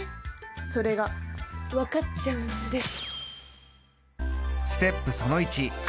それが分かっちゃうんです。